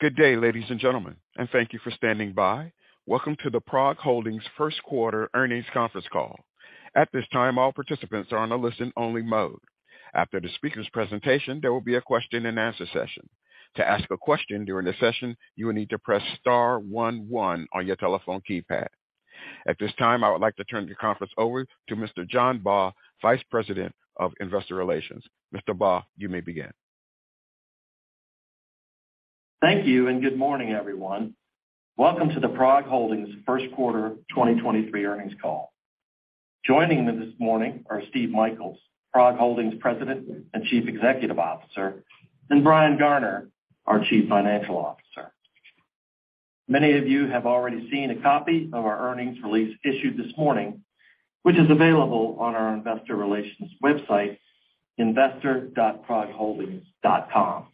Good day, ladies and gentlemen, and thank you for standing by. Welcome to the PROG Holdings first quarter earnings conference call. At this time, all participants are on a listen-only mode. After the speaker's presentation, there will be a question-and-answer session. To ask a question during the session, you will need to press star one one on your telephone keypad. At this time, I would like to turn the conference over to Mr. John Baugh, Vice President of Investor Relations. Mr. Baugh, you may begin. Thank you and good morning, everyone. Welcome to the PROG Holdings first quarter 2023 earnings call. Joining me this morning are Steve Michaels, PROG Holdings President and Chief Executive Officer, and Brian Garner, our Chief Financial Officer. Many of you have already seen a copy of our earnings release issued this morning, which is available on our investor relations website, investor.progholdings.com.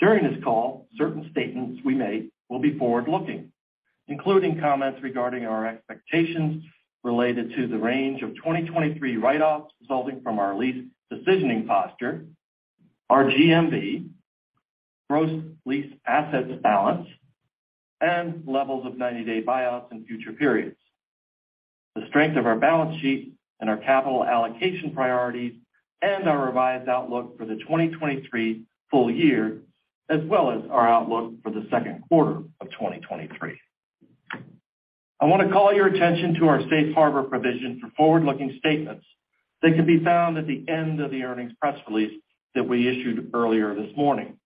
During this call, certain statements we make will be forward-looking, including comments regarding our expectations related to the range of 2023 write-offs resulting from our lease decisioning posture, our GMV, gross leased asset balance, and levels of 90-day buyouts in future periods, the strength of our balance sheet and our capital allocation priorities, and our revised outlook for the 2023 full year, as well as our outlook for the second quarter of 2023. I want to call your attention to our safe harbor provision for forward-looking statements that can be found at the end of the earnings press release that we issued earlier this morning.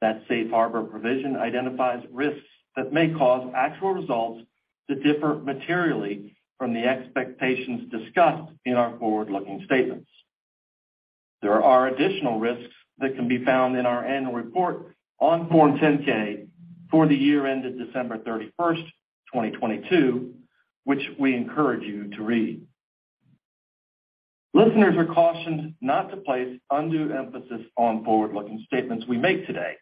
That safe harbor provision identifies risks that may cause actual results to differ materially from the expectations discussed in our forward-looking statements. There are additional risks that can be found in our annual report on Form 10-K for the year ended December 31st, 2022, which we encourage you to read. Listeners are cautioned not to place undue emphasis on forward-looking statements we make today.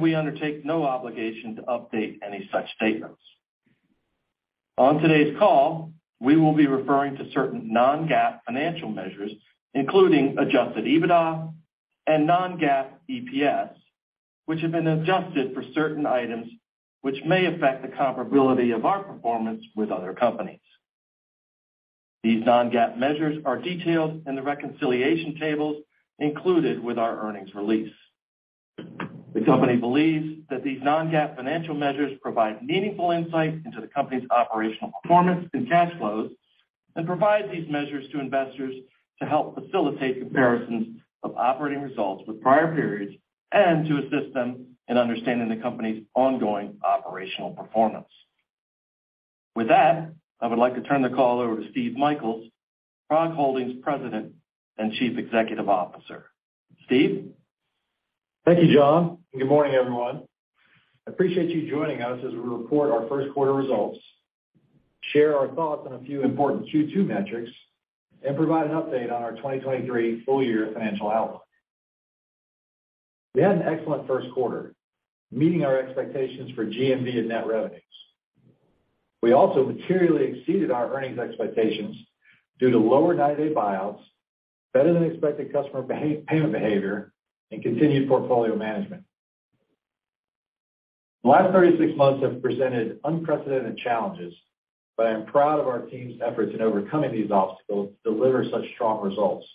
We undertake no obligation to update any such statements. On today's call, we will be referring to certain non-GAAP financial measures, including adjusted EBITDA and non-GAAP EPS, which have been adjusted for certain items which may affect the comparability of our performance with other companies. These non-GAAP measures are detailed in the reconciliation tables included with our earnings release. The company believes that these non-GAAP financial measures provide meaningful insight into the company's operational performance and cash flows and provide these measures to investors to help facilitate comparisons of operating results with prior periods and to assist them in understanding the company's ongoing operational performance. With that, I would like to turn the call over to Steve Michaels, PROG Holdings President and Chief Executive Officer. Steve. Thank you, John, good morning, everyone. I appreciate you joining us as we report our first quarter results, share our thoughts on a few important Q2 metrics, and provide an update on our 2023 full-year financial outlook. We had an excellent first quarter, meeting our expectations for GMV and net revenues. We also materially exceeded our earnings expectations due to lower 90-day buyouts, better-than-expected customer payment behavior, and continued portfolio management. The last 36 months have presented unprecedented challenges, but I am proud of our team's efforts in overcoming these obstacles to deliver such strong results.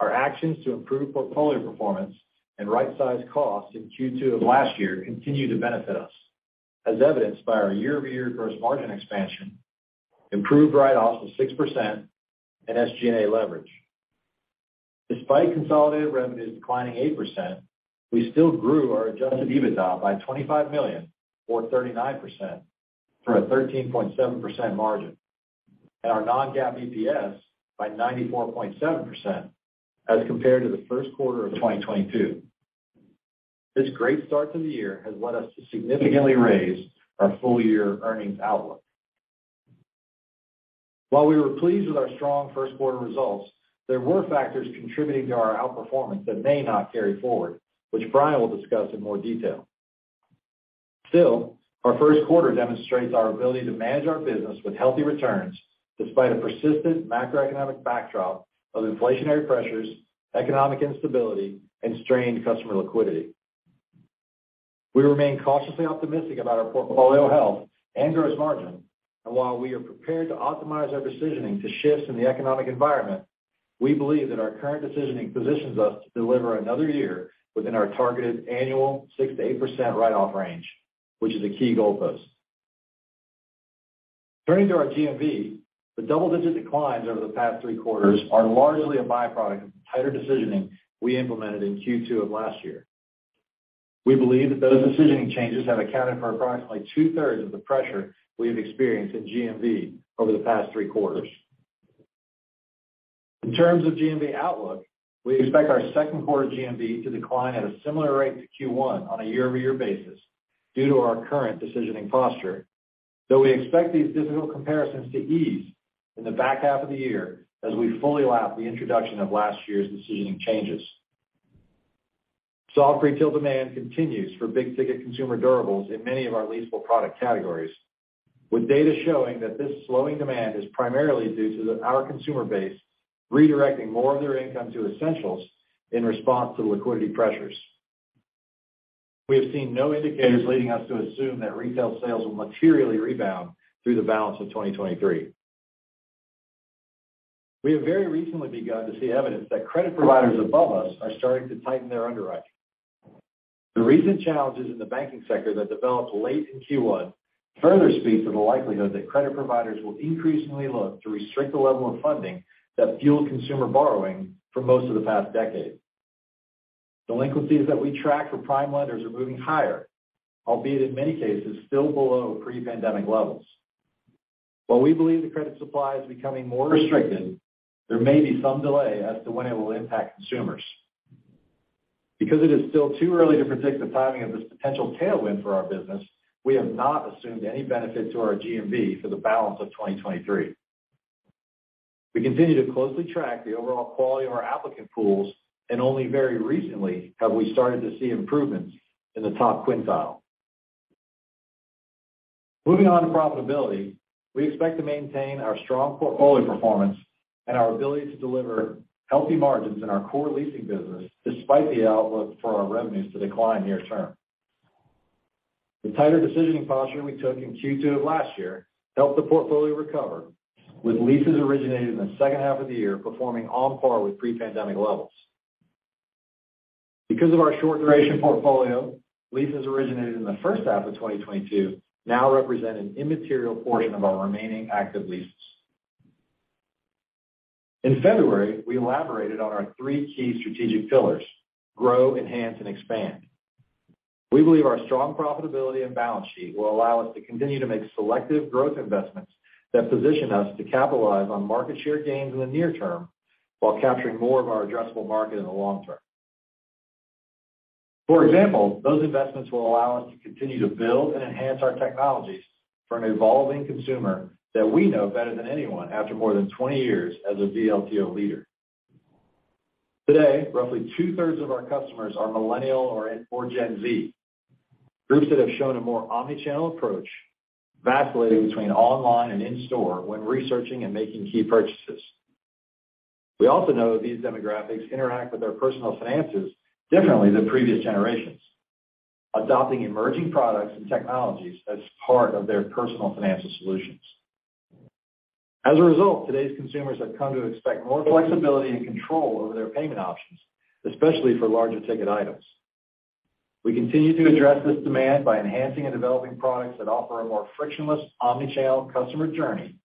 Our actions to improve portfolio performance and right-size costs in Q2 of last year continue to benefit us, as evidenced by our year-over-year gross margin expansion, improved write-offs of 6% and SG&A leverage. Despite consolidated revenues declining 8%, we still grew our adjusted EBITDA by $25 million or 39% through a 13.7% margin and our non-GAAP EPS by 94.7% as compared to the first quarter of 2022. This great start to the year has led us to significantly raise our full-year earnings outlook. While we were pleased with our strong first quarter results, there were factors contributing to our outperformance that may not carry forward, which Brian will discuss in more detail. Our first quarter demonstrates our ability to manage our business with healthy returns despite a persistent macroeconomic backdrop of inflationary pressures, economic instability, and strained customer liquidity. We remain cautiously optimistic about our portfolio health and gross margin, and while we are prepared to optimize our decisioning to shifts in the economic environment, we believe that our current decisioning positions us to deliver another year within our targeted annual 6%-8% write-off range, which is a key goalpost. Turning to our GMV, the double-digit declines over the past three quarters are largely a byproduct of tighter decisioning we implemented in Q2 of last year. We believe that those decisioning changes have accounted for approximately two-thirds of the pressure we have experienced in GMV over the past three quarters. In terms of GMV outlook, we expect our 2nd quarter GMV to decline at a similar rate to Q1 on a year-over-year basis due to our current decisioning posture, though we expect these difficult comparisons to ease in the back half of the year as we fully lap the introduction of last year's decisioning changes. Soft retail demand continues for big-ticket consumer durables in many of our leasable product categories. Data showing that this slowing demand is primarily due to our consumer base redirecting more of their income to essentials in response to liquidity pressures. We have seen no indicators leading us to assume that retail sales will materially rebound through the balance of 2023. We have very recently begun to see evidence that credit providers above us are starting to tighten their underwriting. The recent challenges in the banking sector that developed late in Q1 further speaks to the likelihood that credit providers will increasingly look to restrict the level of funding that fueled consumer borrowing for most of the past decade. Delinquencies that we track for prime lenders are moving higher, albeit in many cases still below pre-pandemic levels. While we believe the credit supply is becoming more restricted, there may be some delay as to when it will impact consumers. Because it is still too early to predict the timing of this potential tailwind for our business, we have not assumed any benefit to our GMV for the balance of 2023. We continue to closely track the overall quality of our applicant pools, and only very recently have we started to see improvements in the top quintile. Moving on to profitability, we expect to maintain our strong portfolio performance and our ability to deliver healthy margins in our core leasing business despite the outlook for our revenues to decline near term. The tighter decisioning posture we took in Q2 of last year helped the portfolio recover, with leases originated in the second half of the year performing on par with pre-pandemic levels. Because of our short duration portfolio, leases originated in the first half of 2022 now represent an immaterial portion of our remaining active leases. In February, we elaborated on our three key strategic pillars: grow, enhance, and expand. We believe our strong profitability and balance sheet will allow us to continue to make selective growth investments that position us to capitalize on market share gains in the near term while capturing more of our addressable market in the long term. For example, those investments will allow us to continue to build and enhance our technologies for an evolving consumer that we know better than anyone after more than 20 years as a LTO leader. Today, roughly two-thirds of our customers are Millennial or Gen Z, groups that have shown a more omnichannel approach, vacillating between online and in-store when researching and making key purchases. We also know these demographics interact with their personal finances differently than previous generations, adopting emerging products and technologies as part of their personal financial solutions. As a result, today's consumers have come to expect more flexibility and control over their payment options, especially for larger ticket items. We continue to address this demand by enhancing and developing products that offer a more frictionless, omnichannel customer journey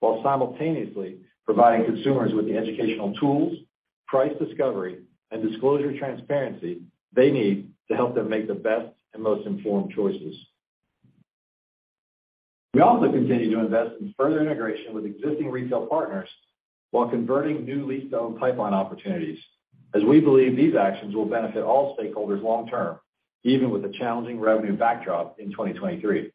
while simultaneously providing consumers with the educational tools, price discovery, and disclosure transparency they need to help them make the best and most informed choices. We also continue to invest in further integration with existing retail partners while converting new Lease-to-Own pipeline opportunities, as we believe these actions will benefit all stakeholders long term, even with a challenging revenue backdrop in 2023.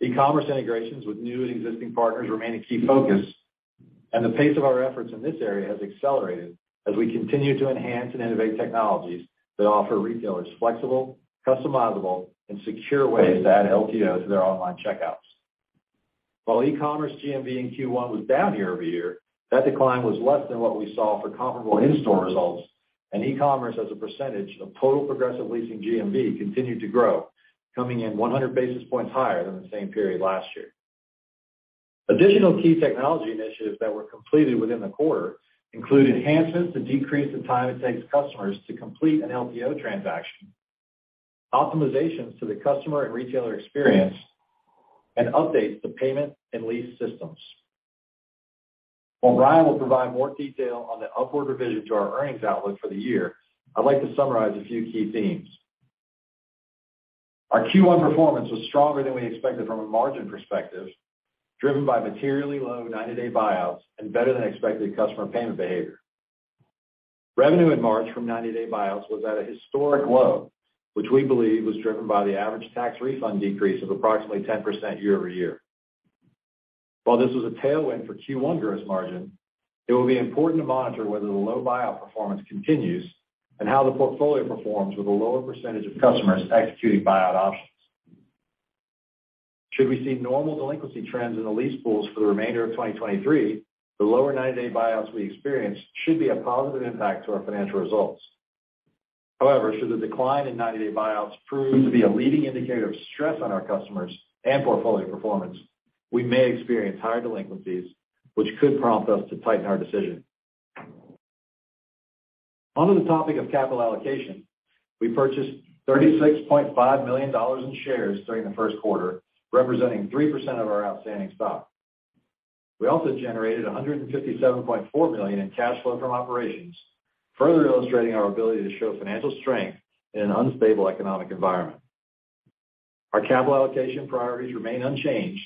E-commerce integrations with new and existing partners remain a key focus, and the pace of our efforts in this area has accelerated as we continue to enhance and innovate technologies that offer retailers flexible, customizable, and secure ways to add LTO to their online checkouts. While e-commerce GMV in Q1 was down year-over-year, that decline was less than what we saw for comparable in-store results, and e-commerce as a percentage of total Progressive Leasing GMV continued to grow, coming in 100 basis points higher than the same period last year. Additional key technology initiatives that were completed within the quarter include enhancements to decrease the time it takes customers to complete an LTO transaction, optimizations to the customer and retailer experience, and updates to payment and lease systems. While Brian will provide more detail on the upward revision to our earnings outlook for the year, I'd like to summarize a few key themes. Our Q1 performance was stronger than we expected from a margin perspective, driven by materially low 90-day buyouts and better-than-expected customer payment behavior. Revenue in March from 90-day buyouts was at a historic low, which we believe was driven by the average tax refund decrease of approximately 10% year-over-year. While this was a tailwind for Q1 gross margin, it will be important to monitor whether the low buyout performance continues and how the portfolio performs with a lower percentage of customers executing buyout options. Should we see normal delinquency trends in the lease pools for the remainder of 2023, the lower 90-day buyouts we experience should be a positive impact to our financial results. However, should the decline in 90-day buyouts prove to be a leading indicator of stress on our customers and portfolio performance, we may experience higher delinquencies, which could prompt us to tighten our decision. Onto the topic of capital allocation. We purchased $36.5 million in shares during the first quarter, representing 3% of our outstanding stock. We also generated $157.4 million in cash flow from operations, further illustrating our ability to show financial strength in an unstable economic environment. Our capital allocation priorities remain unchanged,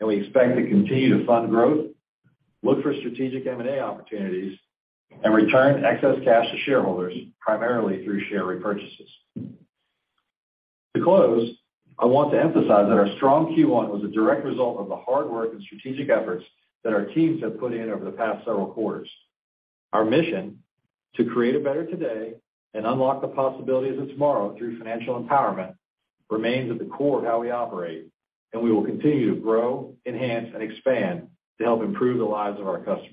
and we expect to continue to fund growth, look for strategic M&A opportunities, and return excess cash to shareholders, primarily through share repurchases. To close, I want to emphasize that our strong Q1 was a direct result of the hard work and strategic efforts that our teams have put in over the past several quarters. Our mission to create a better today and unlock the possibilities of tomorrow through financial empowerment remains at the core of how we operate, and we will continue to grow, enhance, and expand to help improve the lives of our customers.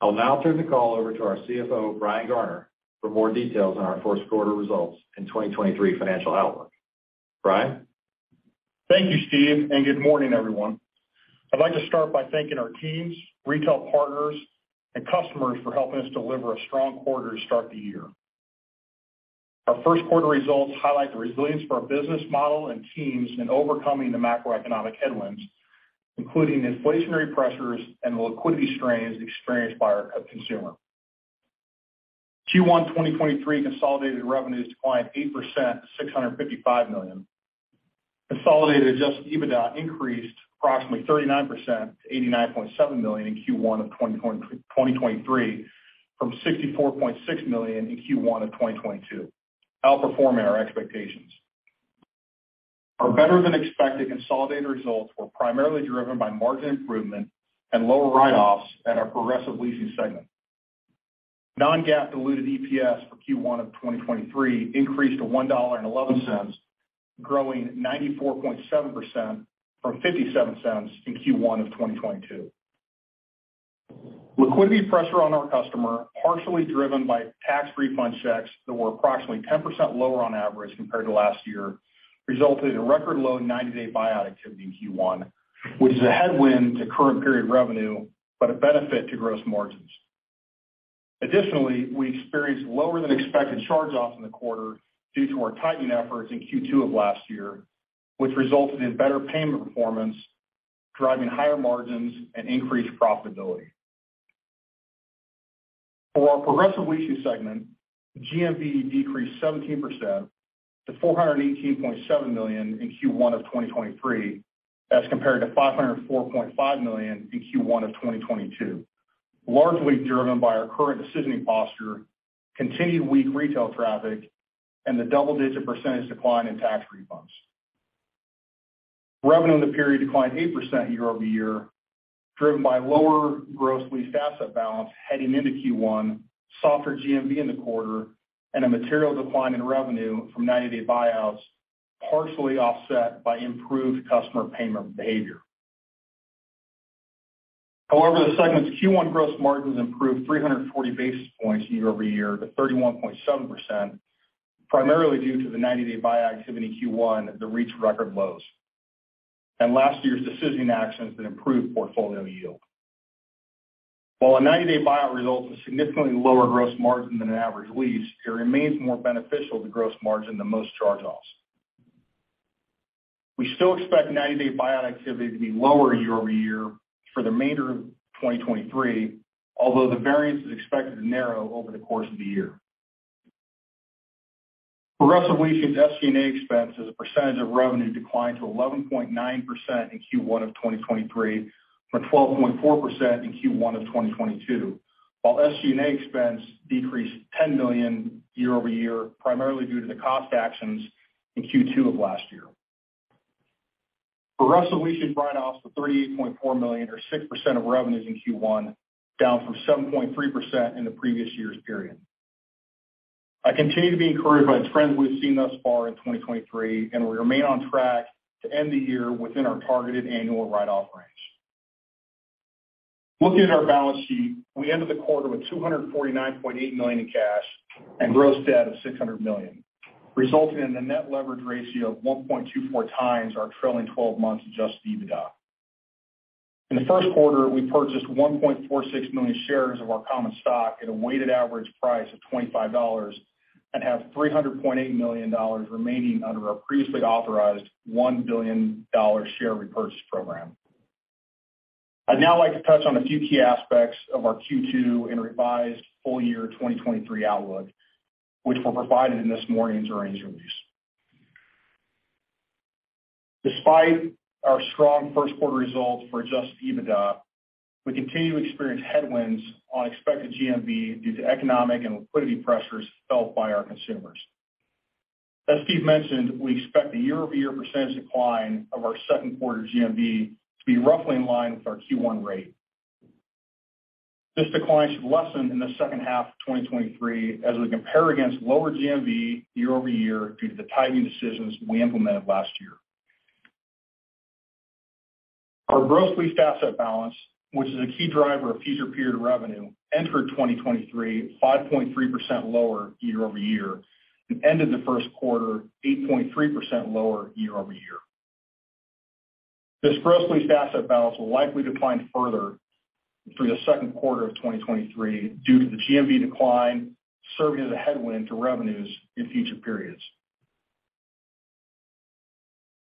I'll now turn the call over to our CFO, Brian Garner, for more details on our first quarter results and 2023 financial outlook. Brian? Thank you, Steve. Good morning, everyone. I'd like to start by thanking our teams, retail partners, and customers for helping us deliver a strong quarter to start the year. Our first quarter results highlight the resilience of our business model and teams in overcoming the macroeconomic headwinds, including the inflationary pressures and the liquidity strains experienced by our consumer. Q1 2023 consolidated revenues declined 8% to $655 million. Consolidated adjusted EBITDA increased approximately 39% to $89.7 million in Q1 of 2023, from $64.6 million in Q1 of 2022, outperforming our expectations. Our better-than-expected consolidated results were primarily driven by margin improvement and lower write-offs at our Progressive Leasing segment. Non-GAAP diluted EPS for Q1 of 2023 increased to $1.11, growing 94.7% from $0.57 in Q1 of 2022. Liquidity pressure on our customer, partially driven by tax refund checks that were approximately 10% lower on average compared to last year, resulted in a record low 90-day buyout activity in Q1, which is a headwind to current period revenue, but a benefit to gross margins. Additionally, we experienced lower-than-expected charge-offs in the quarter due to our tightening efforts in Q2 of last year, which resulted in better payment performance, driving higher margins and increased profitability. For our Progressive Leasing segment, GMV decreased 17% to $418.7 million in Q1 of 2023 as compared to $504.5 million in Q1 of 2022. Largely driven by our current decisioning posture, continued weak retail traffic, and the double-digit percentage decline in tax refunds. Revenue in the period declined 8% year-over-year, driven by lower gross leased asset balance heading into Q1, softer GMV in the quarter, and a material decline in revenue from 90-day buyouts, partially offset by improved customer payment behavior. However, the segment's Q1 gross margins improved 340 basis points year-over-year to 31.7%, primarily due to the 90-day buyout activity in Q1 that reached record lows and last year's decision actions that improved portfolio yield. While a 90-day buyout results in significantly lower gross margin than an average lease, it remains more beneficial to gross margin than most charge-offs. We still expect 90-day buyout activity to be lower year-over-year for the remainder of 2023, although the variance is expected to narrow over the course of the year. Progressive Leasing's SG&A expense as a percentage of revenue declined to 11.9% in Q1 of 2023 from 12.4% in Q1 of 2022, while SG&A expense decreased $10 million year-over-year, primarily due to the cost actions in Q2 of last year. Progressive Leasing's write-offs were $38.4 million or 6% of revenues in Q1, down from 7.3% in the previous year's period. I continue to be encouraged by the trends we've seen thus far in 2023, we remain on track to end the year within our targeted annual write-off range. Looking at our balance sheet, we ended the quarter with $249.8 million in cash and gross debt of $600 million, resulting in a net leverage ratio of 1.24x our trailing 12-month adjusted EBITDA. In the first quarter, we purchased 1.46 million shares of our common stock at a weighted average price of $25 and have $300.8 million remaining under our previously authorized $1 billion share repurchase program. I'd now like to touch on a few key aspects of our Q2 and revised full year 2023 outlook, which were provided in this morning's earnings release. Despite our strong first quarter results for adjusted EBITDA, we continue to experience headwinds on expected GMV due to economic and liquidity pressures felt by our consumers. As Steve mentioned, we expect the year-over-year percentage decline of our second quarter GMV to be roughly in line with our Q1 rate. This decline should lessen in the second half of 2023 as we compare against lower GMV year-over-year due to the tightening decisions we implemented last year. Our gross leased asset balance, which is a key driver of future period revenue, entered 2023 5.3% lower year-over-year and ended the first quarter 8.3% lower year-over-year. This gross leased asset balance will likely decline further through the second quarter of 2023 due to the GMV decline serving as a headwind to revenues in future periods.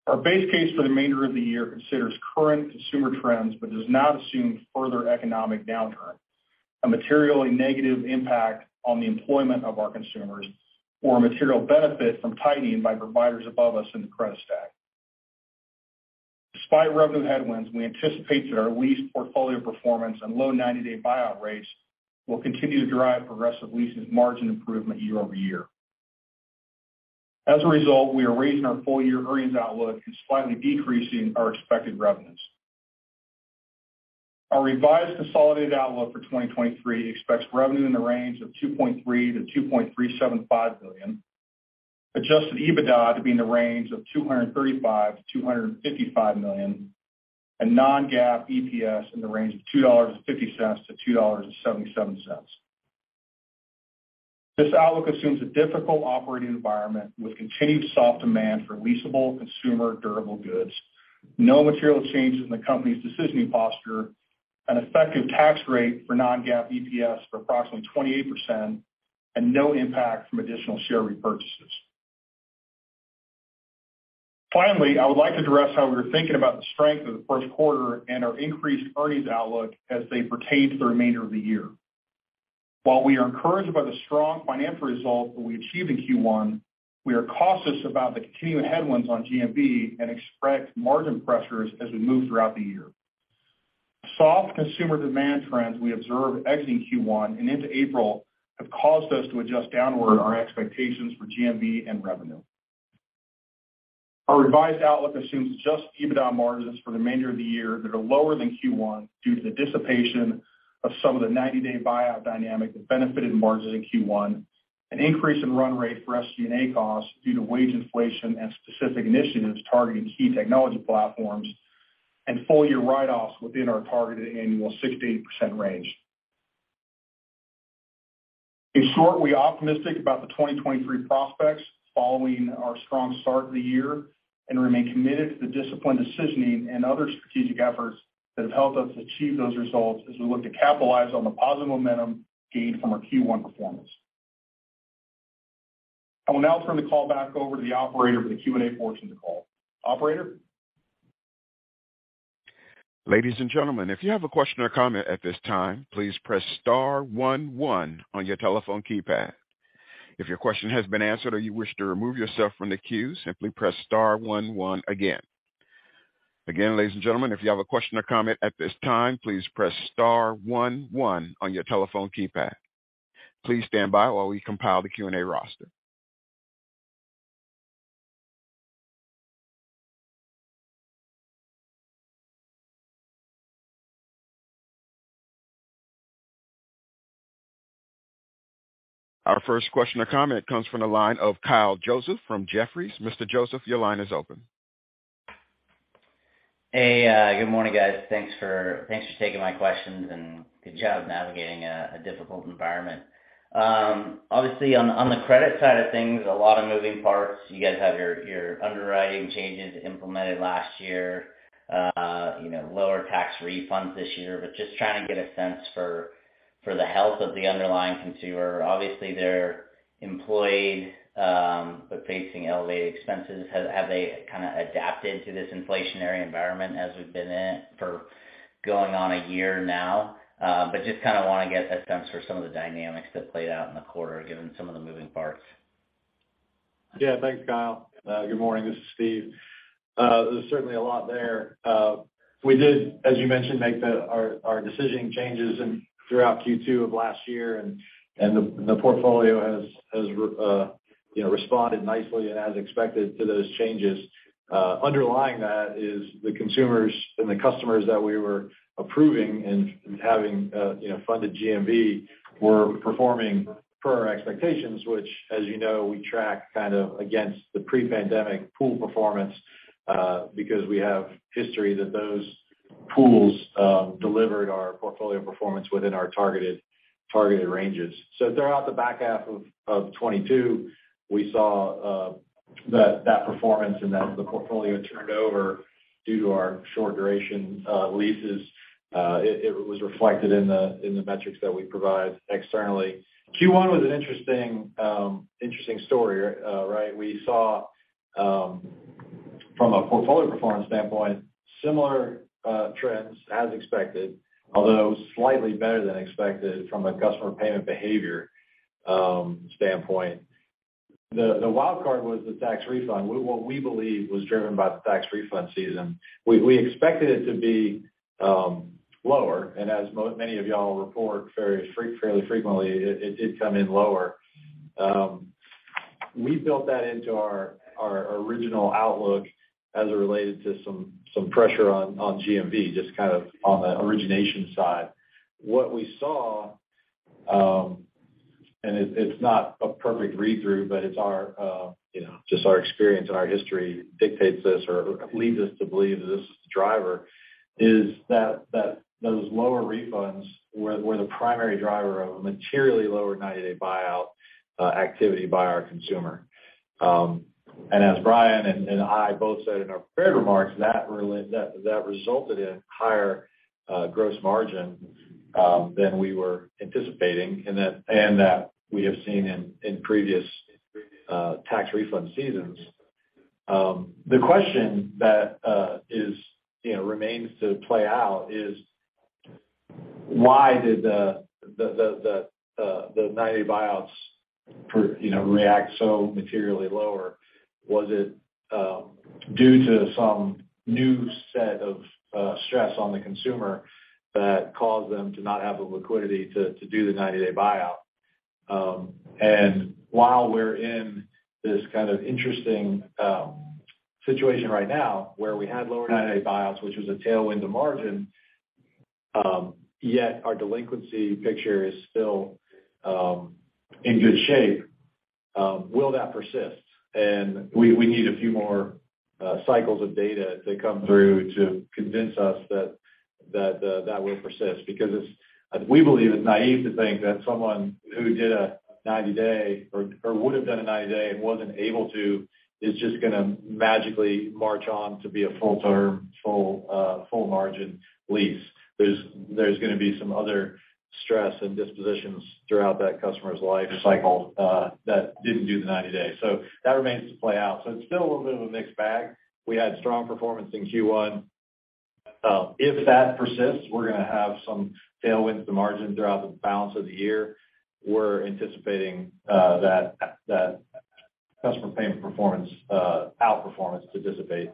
Our base case for the remainder of the year considers current consumer trends, but does not assume further economic downturn, a materially negative impact on the employment of our consumers, or a material benefit from tightening by providers above us in the credit stack. Despite revenue headwinds, we anticipate that our lease portfolio performance and low 90-day buyout rates will continue to drive Progressive Leasing's margin improvement year-over-year. We are raising our full-year earnings outlook and slightly decreasing our expected revenues. Our revised consolidated outlook for 2023 expects revenue in the range of $2.3 billion-$2.375 billion, adjusted EBITDA to be in the range of $235 million-$255 million, and non-GAAP EPS in the range of $2.50-$2.77. This outlook assumes a difficult operating environment with continued soft demand for leasable consumer durable goods, no material changes in the company's decisioning posture, an effective tax rate for non-GAAP EPS for approximately 28%, and no impact from additional share repurchases. I would like to address how we were thinking about the strength of the first quarter and our increased earnings outlook as they pertain to the remainder of the year. While we are encouraged by the strong financial results that we achieved in Q1, we are cautious about the continuing headwinds on GMV and expect margin pressures as we move throughout the year. The soft consumer demand trends we observed exiting Q1 and into April have caused us to adjust downward our expectations for GMV and revenue. Our revised outlook assumes adjusted EBITDA margins for the remainder of the year that are lower than Q1 due to the dissipation of some of the 90-day buyout dynamic that benefited margins in Q1, an increase in run rate for SG&A costs due to wage inflation and specific initiatives targeting key technology platforms, and full-year write-offs within our targeted annual 6%-8% range. In short, we are optimistic about the 2023 prospects following our strong start of the year and remain committed to the disciplined decisioning and other strategic efforts that have helped us achieve those results as we look to capitalize on the positive momentum gained from our Q1 performance. I will now turn the call back over to the operator for the Q&A portion of the call. Operator? Ladies and gentlemen, if you have a question or comment at this time, please press star one one on your telephone keypad. If your question has been answered or you wish to remove yourself from the queue, simply press star one one again. Again, ladies and gentlemen, if you have a question or comment at this time, please press star one one on your telephone keypad. Please stand by while we compile the Q&A roster. Our first question or comment comes from the line of Kyle Joseph from Jefferies. Mr. Joseph, your line is open. Hey, good morning, guys. Thanks for taking my questions and good job navigating a difficult environment. Obviously on the credit side of things, a lot of moving parts. You guys have your underwriting changes implemented last year, you know, lower tax refunds this year, just trying to get a sense for the health of the underlying consumer. Obviously, they're employed, but facing elevated expenses. Have they kind of adapted to this inflationary environment as we've been in for going on a year now? Just kind of wanna get a sense for some of the dynamics that played out in the quarter given some of the moving parts. Yeah. Thanks, Kyle. Good morning. This is Steve. There's certainly a lot there. We did, as you mentioned, make our decisioning changes throughout Q2 of last year, and the portfolio has, you know, responded nicely and as expected to those changes. Underlying that is the consumers and the customers that we were approving and having, you know, funded GMV were performing per our expectations, which, as you know, we track kind of against the pre-pandemic pool performance, because we have history that those pools delivered our portfolio performance within our targeted ranges. Throughout the back half of 2022, we saw that performance and as the portfolio turned over due to our short-duration leases, it was reflected in the metrics that we provide externally. Q1 was an interesting story, right? We saw from a portfolio performance standpoint, similar trends as expected, although slightly better than expected from a customer payment behavior standpoint. The wildcard was the tax refund. What we believe was driven by the tax refund season. We expected it to be lower, and as many of y'all report very fairly frequently, it did come in lower. We built that into our original outlook as it related to some pressure on GMV, just kind of on the origination side. What we saw, it's not a perfect read-through, but it's our, you know, just our experience and our history dictates this or leads us to believe that this is the driver, is that those lower refunds were the primary driver of a materially lower 90-day buyout activity by our consumer. As Brian and I both said in our prepared remarks, that resulted in higher gross margin than we were anticipating and that we have seen in previous tax refund seasons. The question that, you know, remains to play out is why did the 90-day buyouts, you know, react so materially lower? Was it due to some new set of stress on the consumer that caused them to not have the liquidity to do the 90-day buyout? While we're in this kind of interesting situation right now where we had lower 90-day buyouts, which was a tailwind to margin, yet our delinquency picture is still in good shape, will that persist? We need a few more cycles of data to come through to convince us that that will persist. We believe it's naive to think that someone who did a 90-day or would have done a 90-day and wasn't able to, is just gonna magically march on to be a full term, full margin lease. There's gonna be some other stress and dispositions throughout that customer's life cycle that didn't do the 90-day. That remains to play out. It's still a little bit of a mixed bag. We had strong performance in Q1. If that persists, we're gonna have some tailwinds to margin throughout the balance of the year. We're anticipating that customer payment performance outperformance to dissipate.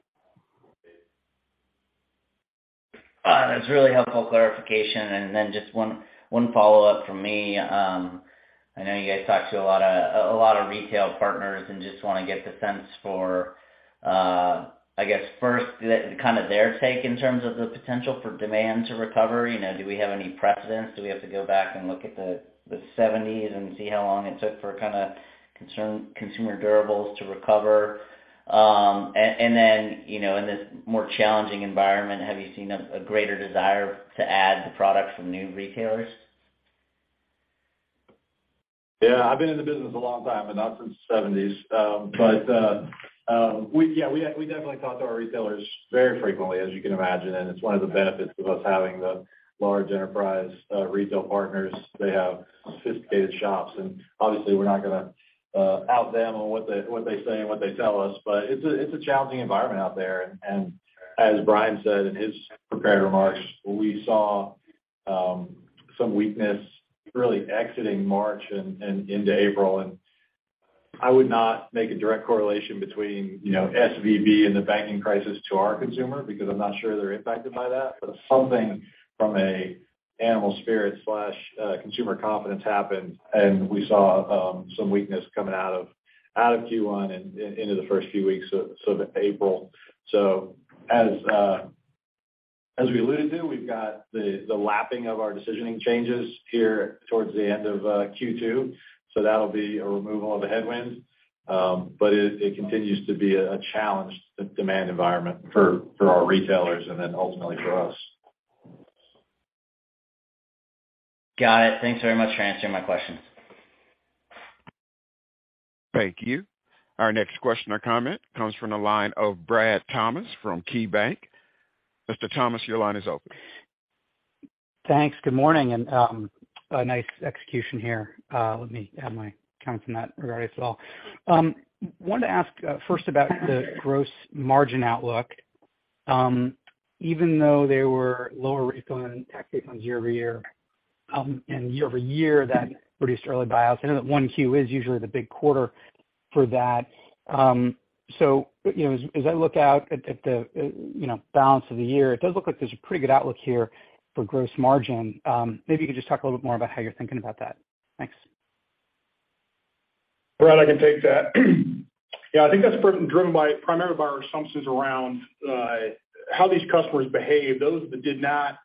That's really helpful clarification. Just one follow-up from me. I know you guys talk to a lot, a lot of retail partners and just wanna get the sense for, I guess first, kind of their take in terms of the potential for demand to recover. You know, do we have any precedents? Do we have to go back and look at the 70s and see how long it took for kind of consumer durables to recover? You know, in this more challenging environment, have you seen a greater desire to add the products from new retailers? Yeah. I've been in the business a long time, but not since the seventies. Yeah, we definitely talk to our retailers very frequently, as you can imagine, and it's one of the benefits of us having the large enterprise retail partners. They have sophisticated shops. Obviously, we're not gonna out them on what they, what they say and what they tell us. It's a, it's a challenging environment out there. As Brian said in his prepared remarks, we saw some weakness really exiting March and into April. I would not make a direct correlation between, you know, SVB and the banking crisis to our consumer because I'm not sure they're impacted by that. Something from a animal spirit slash consumer confidence happened, and we saw some weakness coming out of Q1 and into the first few weeks of April. As we alluded to, we've got the lapping of our decisioning changes here towards the end of Q2, so that'll be a removal of a headwind. It continues to be a challenged demand environment for our retailers and then ultimately for us. Got it. Thanks very much for answering my questions. Thank you. Our next question or comment comes from the line of Brad Thomas from KeyBanc. Mr. Thomas, your line is open. Thanks. Good morning, a nice execution here. Let me add my comments in that regard as well. Wanted to ask first about the gross margin outlook. Even though there were lower rates going on tax base on year-over-year, and year-over-year that produced early buyouts, I know that one Q is usually the big quarter for that. You know, as I look out at the, you know, balance of the year, it does look like there's a pretty good outlook here for gross margin. Maybe you could just talk a little bit more about how you're thinking about that. Thanks. Brad, I can take that. Yeah, I think that's driven by, primarily by our assumptions around how these customers behave. Those that did not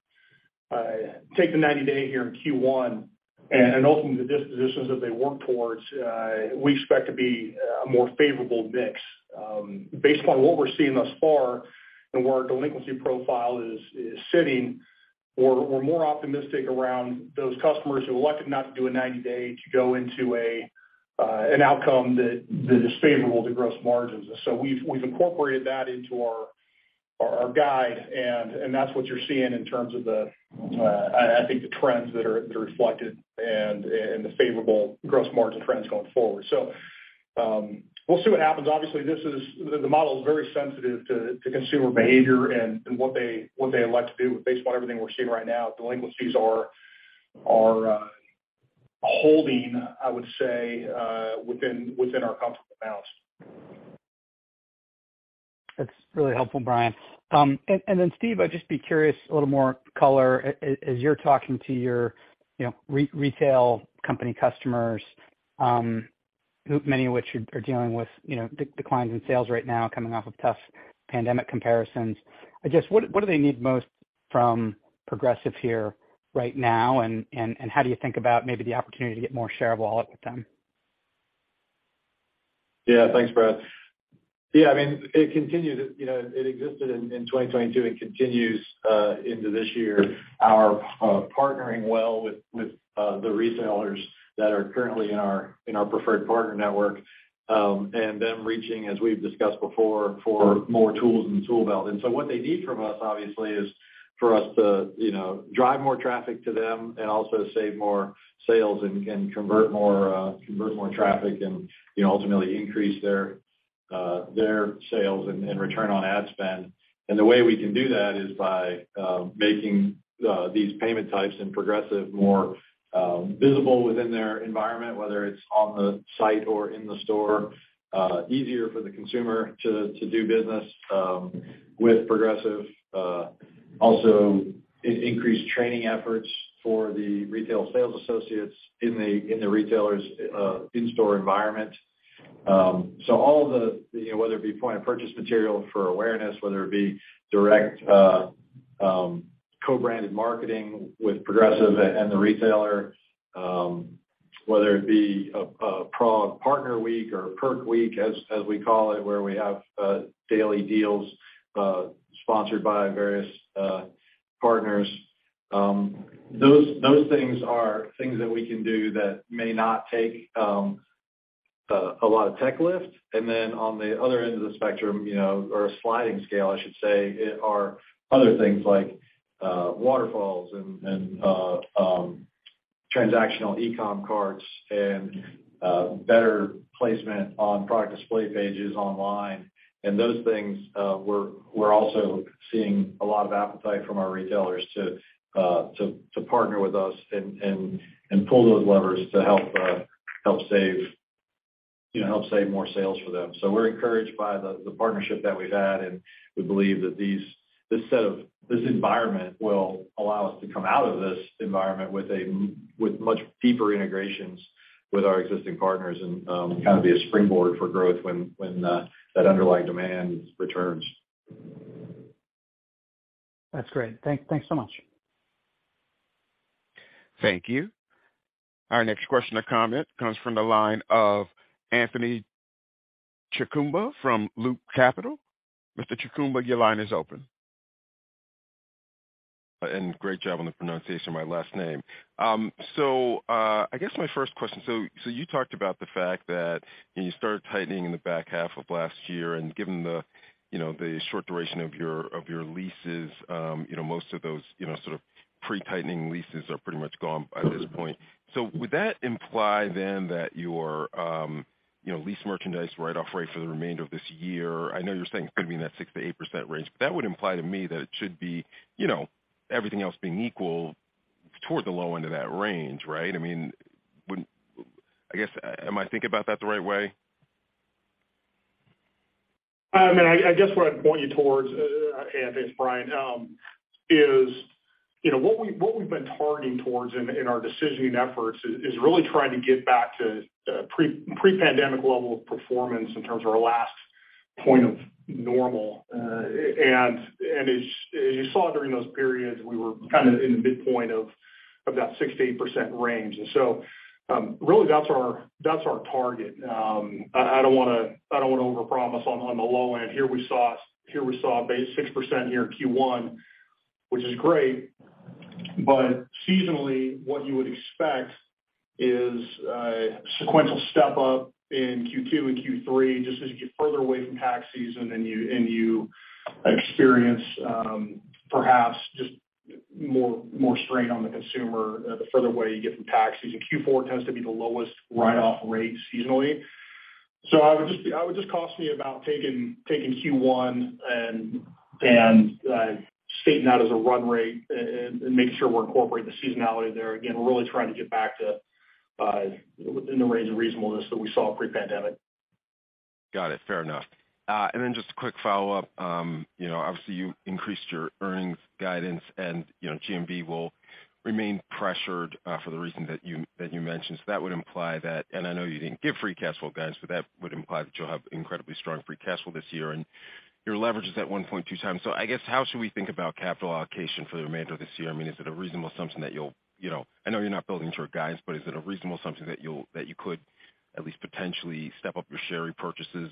take the 90-day here in Q1, and ultimately the dispositions that they work towards, we expect to be a more favorable mix. Based upon what we're seeing thus far and where our delinquency profile is sitting, we're more optimistic around those customers who elected not to do a 90-day to go into an outcome that is favorable to gross margins. We've incorporated that into our guide, and that's what you're seeing in terms of the trends that are reflected and the favorable gross margin trends going forward. We'll see what happens. Obviously, this is... The model is very sensitive to consumer behavior and what they elect to do. Based on everything we're seeing right now, delinquencies are holding, I would say, within our comfortable balance. That's really helpful, Brian. Steve, I'd just be curious a little more color. As you're talking to your, you know, retail company customers, who many of which are dealing with, you know, declines in sales right now coming off of tough pandemic comparisons. I guess, what do they need most from Progressive here right now? How do you think about maybe the opportunity to get more share of wallet with them? Thanks, Brad. I mean, it continued, you know, it existed in 2022 and continues into this year, our partnering well with the retailers that are currently in our preferred partner network, and them reaching, as we've discussed before, for more tools in the tool belt. What they need from us, obviously, is for us to, you know, drive more traffic to them and also save more sales and convert more traffic and, you know, ultimately increase their sales and return on ad spend. The way we can do that is by making these payment types in Progressive more visible within their environment, whether it's on the site or in the store, easier for the consumer to do business with Progressive. Also increased training efforts for the retail sales associates in the retailers' in-store environment. So all the, you know, whether it be point-of-purchase material for awareness, whether it be direct co-branded marketing with Progressive and the retailer, whether it be a Partner Week or a Perk Week, as we call it, where we have daily deals sponsored by various partners. Those things are things that we can do that may not take a lot of tech lift. Then on the other end of the spectrum, you know, or a sliding scale, I should say, are other things like waterfalls and transactional e-com carts and better placement on product display pages online. Those things, we're also seeing a lot of appetite from our retailers to partner with us and pull those levers to help save, you know, help save more sales for them. We're encouraged by the partnership that we've had, and we believe that this set of this environment will allow us to come out of this environment with much deeper integrations with our existing partners and kind of be a springboard for growth when that underlying demand returns. That's great. Thanks so much. Thank you. Our next question or comment comes from the line of Anthony Chukumba from Loop Capital. Mr. Chukumba, your line is open. Great job on the pronunciation of my last name. I guess my first question, you talked about the fact that you started tightening in the back half of last year. Given the, you know, the short duration of your leases, you know, most of those, you know, sort of pre-tightening leases are pretty much gone by this point. Would that imply then that your, you know, lease merchandise write-off rate for the remainder of this year, I know you're saying it's gonna be in that 6%-8% range, but that would imply to me that it should be, you know, everything else being equal, toward the low end of that range, right? I mean, wouldn't I guess, am I thinking about that the right way? I mean, I guess, what I'd point you towards, thanks, Brian, is, you know, what we've been targeting towards in our decisioning efforts is really trying to get back to pre-pandemic level of performance in terms of our last point of normal. As you saw during those periods, we were kind of in the midpoint of that 6%-8% range. Really that's our target. I don't wanna overpromise on the low end. Here we saw a base 6% here in Q1, which is great. Seasonally, what you would expect is a sequential step up in Q2 and Q3, just as you get further away from tax season and you experience perhaps just more strain on the consumer, the further away you get from tax season. Q4 tends to be the lowest write-off rate seasonally. I would just caution you about taking Q1 and stating that as a run rate and making sure we incorporate the seasonality there. We're really trying to get back to within the range of reasonableness that we saw pre-pandemic. Got it. Fair enough. Then just a quick follow-up. You know, obviously, you increased your earnings guidance and, you know, GMV will remain pressured for the reason that you mentioned. That would imply that, and I know you didn't give free cash flow guidance, but that would imply that you'll have incredibly strong free cash flow this year, and your leverage is at 1.2x. I guess, how should we think about capital allocation for the remainder of this year? I mean, is it a reasonable assumption that you'll, you know, I know you're not building to your guidance, but is it a reasonable assumption that you could at least potentially step up your share repurchases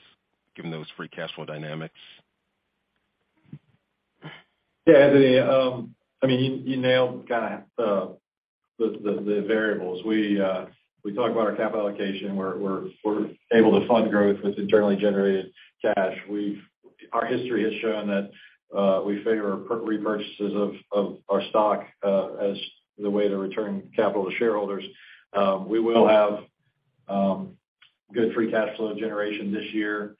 given those free cash flow dynamics? Yeah, Anthony, I mean, you nailed kinda the variables. We talk about our capital allocation. We're able to fund growth with internally generated cash. Our history has shown that we favor repurchases of our stock as the way to return capital to shareholders. We will have good free cash flow generation this year.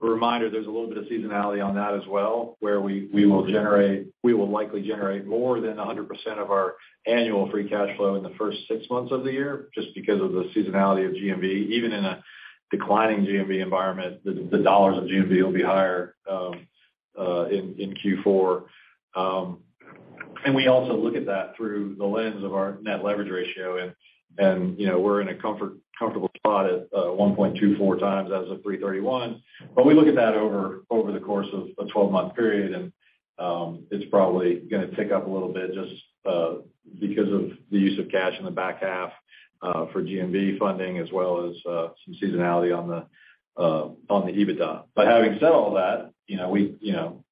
A reminder, there's a little bit of seasonality on that as well, where we will likely generate more than 100% of our annual free cash flow in the first six months of the year just because of the seasonality of GMV. Even in a declining GMV environment, the dollars of GMV will be higher in Q4. We also look at that through the lens of our net leverage ratio, and, you know, we're in a comfortable spot at 1.24x as of 3/31. We look at that over the course of a 12-month period, and it's probably gonna tick up a little bit just because of the use of cash in the back half for GMV funding as well as some seasonality on the EBITDA. Having said all that, you know, we, you know,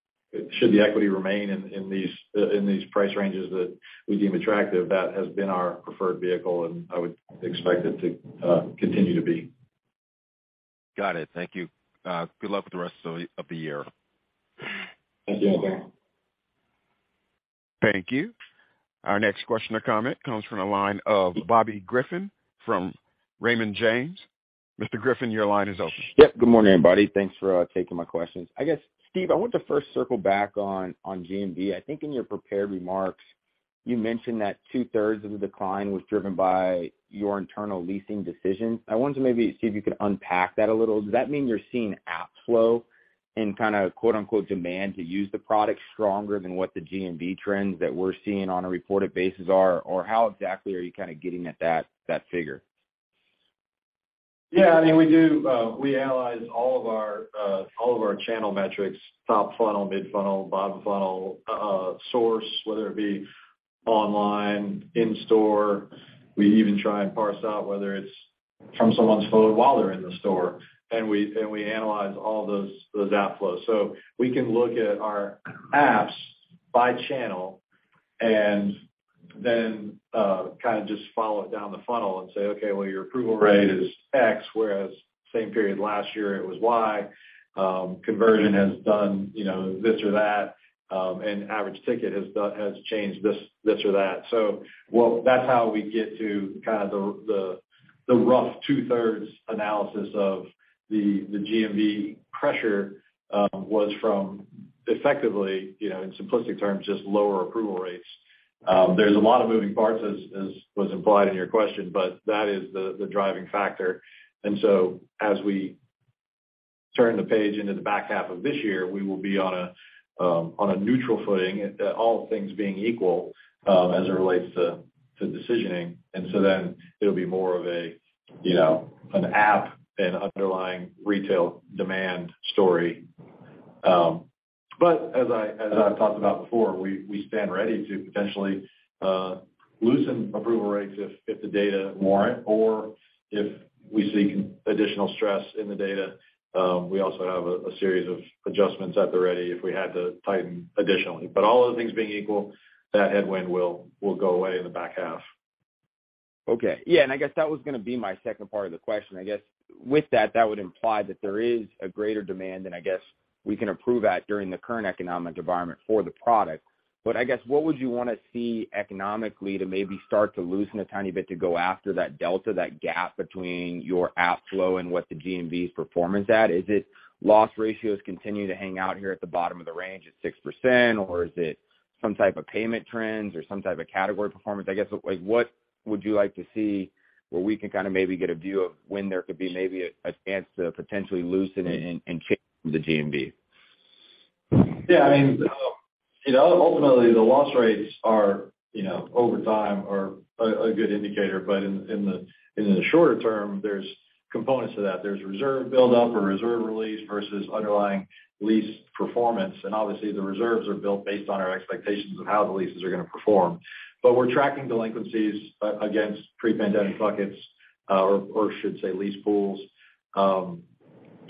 should the equity remain in these price ranges that we deem attractive, that has been our preferred vehicle, and I would expect it to continue to be. Got it. Thank you. Good luck with the rest of the year. Thank you, Anthony. Thank you. Our next question or comment comes from the line of Bobby Griffin from Raymond James. Mr. Griffin, your line is open. Good morning, everybody. Thanks for taking my questions. I guess, Steve, I want to first circle back on GMV. I think in your prepared remarks, you mentioned that two-thirds of the decline was driven by your internal leasing decisions. I want to maybe see if you could unpack that a little. Does that mean you're seeing app flow and kinda quote, unquote demand to use the product stronger than what the GMV trends that we're seeing on a reported basis are? How exactly are you kinda getting at that figure? Yeah, I mean, we analyze all of our, all of our channel metrics, top funnel, mid funnel, bottom funnel, source, whether it be online, in store. We even try and parse out whether it's from someone's phone while they're in the store. We analyze all those app flows. We can look at our apps by channel and then kind of just follow it down the funnel and say, "Okay, well, your approval rate is X, whereas same period last year it was Y." Conversion has done, you know, this or that, average ticket has changed this or that. Well, that's how we get to kind of the rough 2/3 analysis of the GMV pressure was from effectively, you know, in simplistic terms, just lower approval rates. There's a lot of moving parts as was implied in your question, but that is the driving factor. As we turn the page into the back half of this year, we will be on a neutral footing, all things being equal, as it relates to decisioning. Then it'll be more of a, you know, an app and underlying retail demand story. But as I, as I've talked about before, we stand ready to potentially loosen approval rates if the data warrant or if we see additional stress in the data. We also have a series of adjustments at the ready if we had to tighten additionally. All other things being equal, that headwind will go away in the back half. Okay. Yeah, I guess that was gonna be my second part of the question. I guess with that would imply that there is a greater demand, and I guess we can approve that during the current economic environment for the product. I guess what would you wanna see economically to maybe start to loosen a tiny bit to go after that delta, that gap between your app flow and what the GMV's performance at? Is it loss ratios continue to hang out here at the bottom of the range at 6%, or is it some type of payment trends or some type of category performance? I guess, like, what would you like to see where we can kinda maybe get a view of when there could be maybe a chance to potentially loosen and change the GMV? I mean, you know, ultimately the loss rates are, you know, over time are a good indicator. In, in the, in the shorter term, there's components to that. There's reserve build-up or reserve release versus underlying lease performance. Obviously the reserves are built based on our expectations of how the leases are gonna perform. We're tracking delinquencies against pre-pandemic buckets, or I should say lease pools.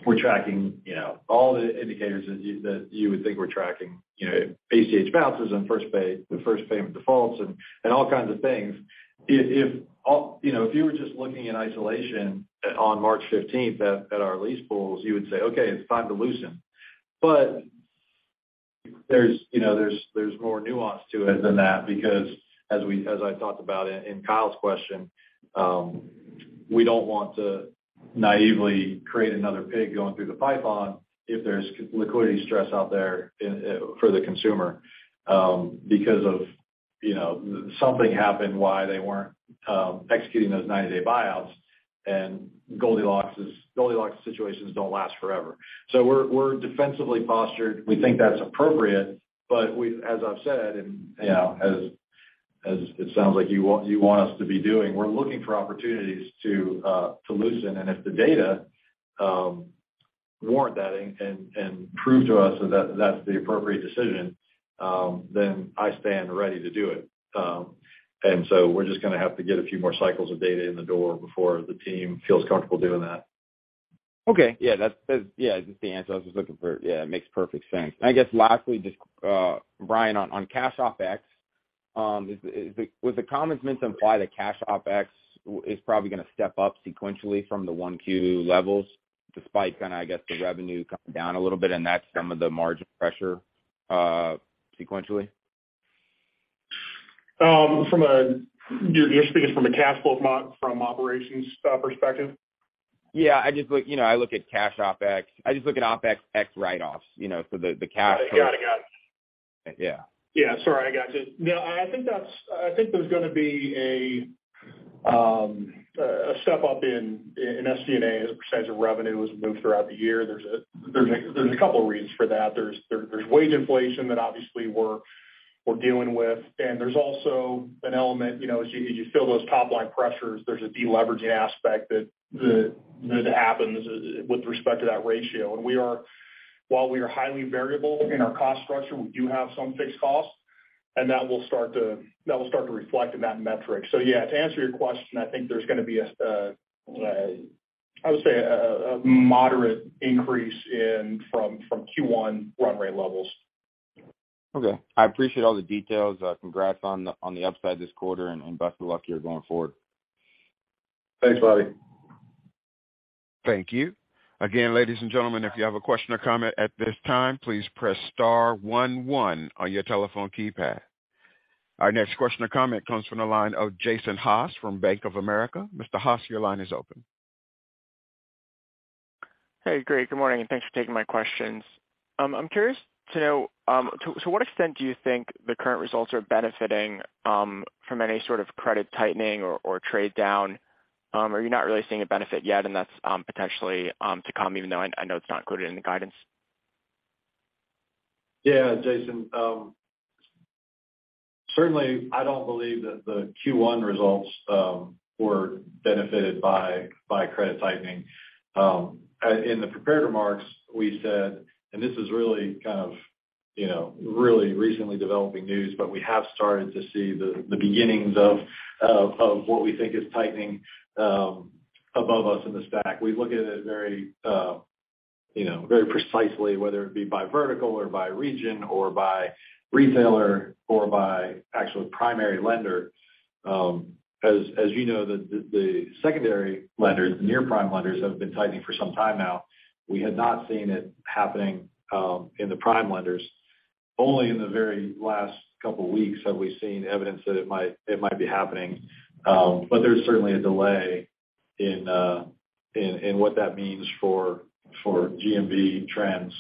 We're tracking, you know, all the indicators that you, that you would think we're tracking, you know, ACH bounces and the first payment defaults and all kinds of things. If all, you know, if you were just looking in isolation on March 15th at our lease pools, you would say, "Okay, it's time to loosen." There's, you know, there's more nuance to it than that because as I talked about in Kyle's question, we don't want to naively create another pig going through the python if there's liquidity stress out there in for the consumer because of, you know, something happened why they weren't executing those 90-day buyouts, and Goldilocks situations don't last forever. We're defensively postured. We think that's appropriate. We've as I've said and, you know, as it sounds like you want, you want us to be doing, we're looking for opportunities to loosen. If the data, warrant that and prove to us that that's the appropriate decision, then I stand ready to do it. We're just gonna have to get a few more cycles of data in the door before the team feels comfortable doing that. Okay. Yeah, that's yeah, just the answer I was just looking for. Yeah, it makes perfect sense. I guess lastly, just Brian, on cash OpEx, was the comments meant to imply the cash OpEx is probably gonna step up sequentially from the 1Q levels despite kinda, I guess, the revenue coming down a little bit, and that's some of the margin pressure, sequentially? You're speaking from a cash flow from operations, perspective? Yeah. You know, I look at cash OpEx. I just look at OpEx, ex write-offs, you know. Got it. Got it. Got it. Yeah. Yeah. Sorry, I gotcha. I think there's gonna be a step up in SG&A as a % of revenue as we move throughout the year. There're a couple reasons for that. There's wage inflation that obviously we're dealing with, there's also an element, you know, as you feel those top line pressures, there's a deleveraging aspect that happens with respect to that ratio. While we are highly variable in our cost structure, we do have some fixed costs, that will start to reflect in that metric. Yeah, to answer your question, I think there's gonna be a, I would say a moderate increase in from Q1 run rate levels. Okay. I appreciate all the details. congrats on the upside this quarter and best of luck to you going forward. Thanks, Bobby. Thank you. Again, ladies and gentlemen, if you have a question or comment at this time, please press star one one on your telephone keypad. Our next question or comment comes from the line of Jason Haas from Bank of America. Mr. Haas, your line is open. Hey, great. Good morning, and thanks for taking my questions. I'm curious to know, to what extent do you think the current results are benefiting from any sort of credit tightening or trade down? Are you not really seeing a benefit yet, and that's potentially to come, even though I know it's not included in the guidance? Yeah. Jason, certainly I don't believe that the Q1 results were benefited by credit tightening. In the prepared remarks we said. This is really kind of, you know, really recently developing news, but we have started to see the beginnings of what we think is tightening above us in the stack. We look at it very, you know, very precisely, whether it be by vertical or by region or by retailer or by actual primary lender. As you know, the secondary lenders, near-prime lenders have been tightening for some time now. We had not seen it happening in the prime lenders. Only in the very last couple weeks have we seen evidence that it might be happening. There's certainly a delay in what that means for GMV trends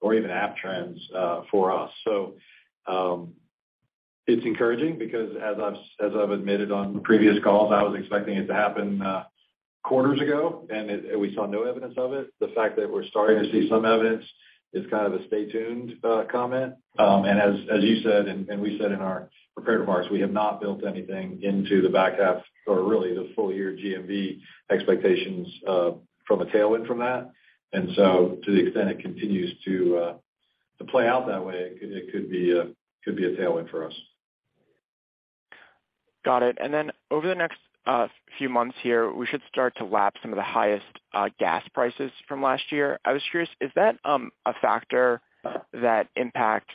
or even app trends for us. It's encouraging because as I've admitted on previous calls, I was expecting it to happen quarters ago, and we saw no evidence of it. The fact that we're starting to see some evidence is kind of a stay tuned comment. As, as you said and we said in our prepared remarks, we have not built anything into the back half or really the full year GMV expectations from a tailwind from that. To the extent it continues to play out that way, it could be a tailwind for us. Got it. Over the next, few months here, we should start to lap some of the highest, gas prices from last year. I was curious, is that a factor that impacts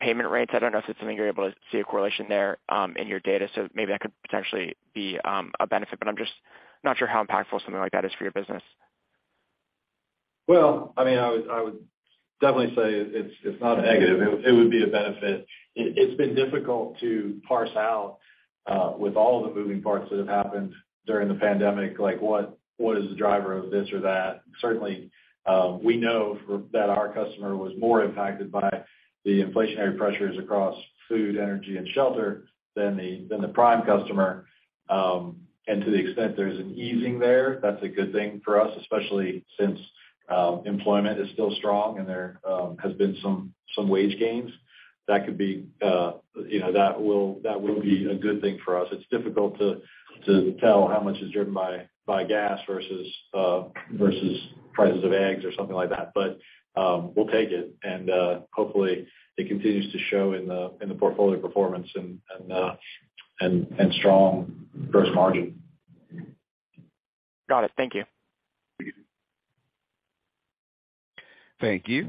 payment rates? I don't know if it's something you're able to see a correlation there, in your data. Maybe that could potentially be a benefit, but I'm just not sure how impactful something like that is for your business. Well, I mean, I would definitely say it's not a negative. It would be a benefit. It's been difficult to parse out, with all the moving parts that have happened during the pandemic, like what is the driver of this or that. Certainly, we know that our customer was more impacted by the inflationary pressures across food, energy, and shelter than the prime customer. To the extent there's an easing there, that's a good thing for us, especially since employment is still strong and there has been some wage gains. That could be, you know, that will be a good thing for us. It's difficult to tell how much is driven by gas versus prices of eggs or something like that. We'll take it, and, hopefully it continues to show in the portfolio performance and strong gross margin. Got it. Thank you. Thank you.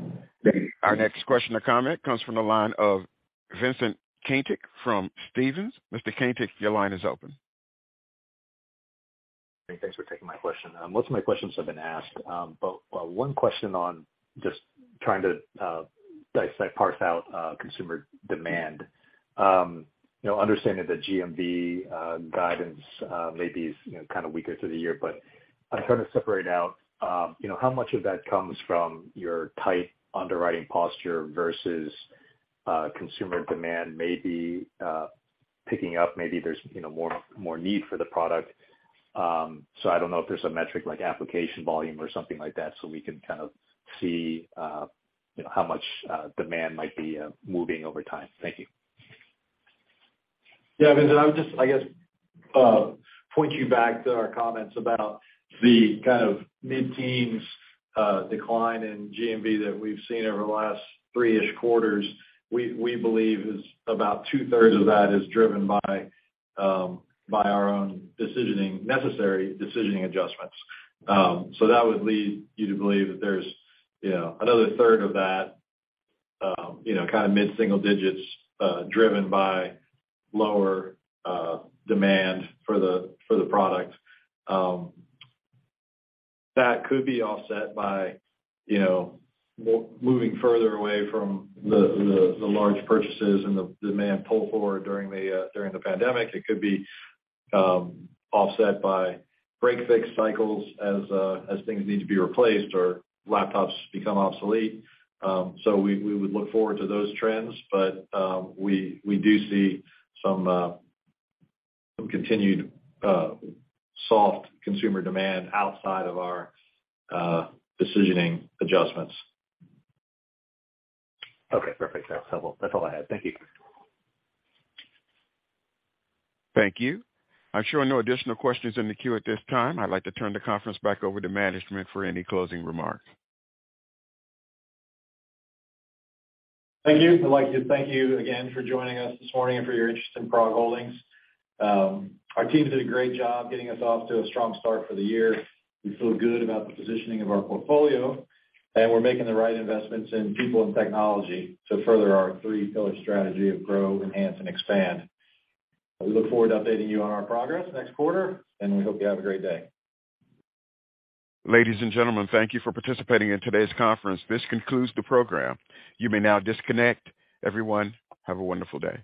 Our next question or comment comes from the line of Vincent Caintic from Stephens. Mr. Caintic, your line is open. Hey, thanks for taking my question. Most of my questions have been asked. One question on just trying to dissect, parse out consumer demand. You know, understanding the GMV guidance maybe is, you know, kind of weaker to the year, but I'm trying to separate out, you know, how much of that comes from your tight underwriting posture versus consumer demand maybe picking up. Maybe there's, you know, more need for the product. I don't know if there's a metric like application volume or something like that, so we can kind of see, you know, how much demand might be moving over time. Thank you. Vincent, I would just, I guess, point you back to our comments about the kind of mid-teens decline in GMV that we've seen over the last 3-ish quarters. We believe is about two-thirds of that is driven by our own decisioning, necessary decisioning adjustments. That would lead you to believe that there's, you know, another third of that, you know, kind of mid-single digits driven by lower demand for the product. That could be offset by, you know, moving further away from the large purchases and the demand pull forward during the pandemic. It could be offset by break fix cycles as things need to be replaced or laptops become obsolete. We would look forward to those trends. We do see some continued soft consumer demand outside of our decisioning adjustments. Okay. Perfect. That's helpful. That's all I had. Thank you. Thank you. I'm showing no additional questions in the queue at this time. I'd like to turn the conference back over to management for any closing remarks. Thank you. I'd like to thank you again for joining us this morning and for your interest in PROG Holdings. Our team did a great job getting us off to a strong start for the year. We feel good about the positioning of our portfolio, and we're making the right investments in people and technology to further our three-pillar strategy of grow, enhance, and expand. We look forward to updating you on our progress next quarter, and we hope you have a great day. Ladies and gentlemen, thank you for participating in today's conference. This concludes the program. You may now disconnect. Everyone, have a wonderful day.